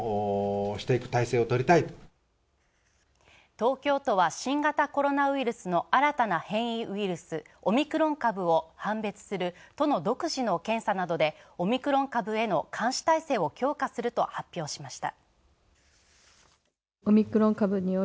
東京都は新型コロナウイルスの新たな変異ウイルスオミクロン株を判別する都の独自の検査などでオミクロン株への監視体制を強化すると発表しました。